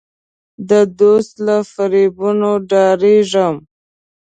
د دوست له فریبونو ډارېږم.